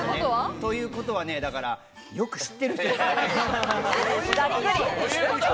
ということはよく知ってる人ですね。